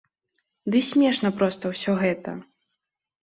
Ды смешна проста ўсё гэта!